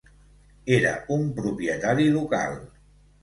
Era un propietari local.